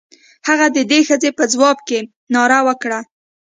هغه د دې ښځې په ځواب کې ناره وکړه.